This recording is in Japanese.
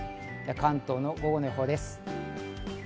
関東の午後の予報です。